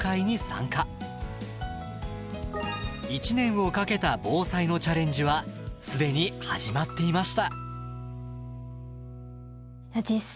１年をかけた防災のチャレンジは既に始まっていました。